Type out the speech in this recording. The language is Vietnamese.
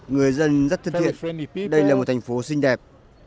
người dân rất thân thiện đây là một thành phố xinh đẹp